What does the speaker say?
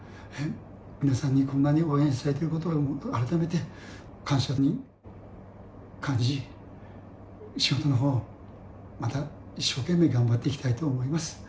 皆さんにこんなにも応援されていることを改めて感謝に感じ、仕事のほうをまた一生懸命頑張っていきたいと思います。